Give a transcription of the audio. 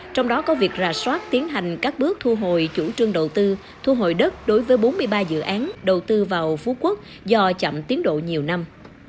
trong đó có việc rà soát tiến hành các bước thu hồi chủ trương đầu tư thu hồi đất đối với bốn mươi ba dự án đầu tư vào phú quốc do chậm tiến độ nhiều năm